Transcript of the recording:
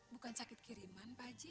bukan sakit kiriman pak haji